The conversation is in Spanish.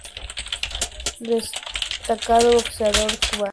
Destacado boxeador cubano.